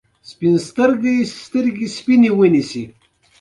په عمل کې یې بشپړه خپلواکي درلوده.